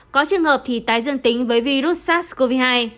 có trường hợp thì tái dương tính với virus sars cov hai